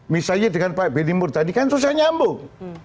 misalnya dengan pak benny murtadi kan susah nyambung